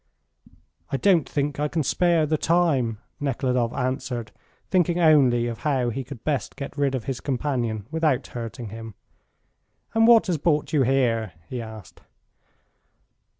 "I don't think I can spare the time," Nekhludoff answered, thinking only of how he could best get rid of his companion without hurting him. "And what has brought you here?" he asked.